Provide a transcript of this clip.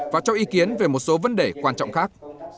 và cho ý kiến về một số vấn đề quan trọng khác